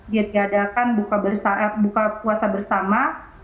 ditiadakan buka puasa bersama